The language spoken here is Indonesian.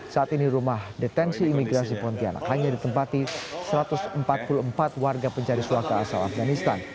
saat ini rumah detensi imigrasi pontianak hanya ditempati satu ratus empat puluh empat warga pencari suaka asal afganistan